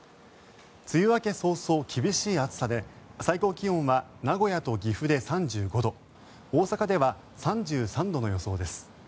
梅雨明け早々厳しい暑さで最高気温は名古屋と岐阜で３５度大阪では３３度の予想です。